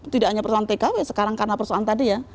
tidak hanya persoalan tkw sekarang karena persoalan tadi ya